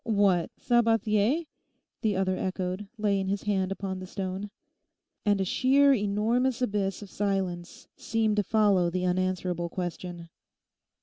'What, Sabathier?' the other echoed, laying his hand upon the stone. And a sheer enormous abyss of silence seemed to follow the unanswerable question.